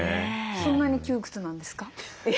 そんなに窮屈なんですか？